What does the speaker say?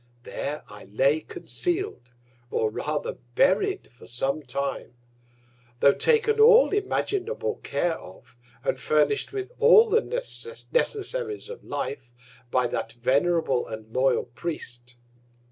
There I lay conceal'd, or rather buried for some Time; tho' taken all imaginable Care of, and furnish'd with all the Necessaries of Life by that venerable, and loyal Priest.